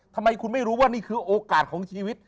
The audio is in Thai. ทำไมคุณไม่รู้ว่านี่คือโอกาสของชีวิต